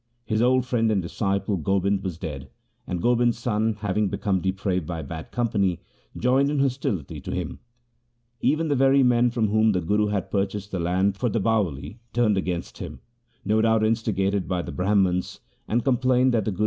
His old friend and disciple Gobind was dead, and Gobind's son, having become depraved by bad company, joined in hostility to him. Even the very men from whom the Guru had purchased the land for the Bawali turned against him — no doubt instigated by the Brahmans — and complained that the Guru had not paid them its stipulated price.